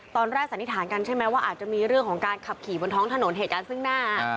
สันนิษฐานกันใช่ไหมว่าอาจจะมีเรื่องของการขับขี่บนท้องถนนเหตุการณ์ซึ่งหน้า